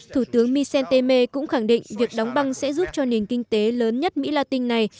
thủ tướng vicente mê cũng khẳng định việc đóng băng sẽ giúp cho nền kinh tế lớn nhất mỹ la tinh này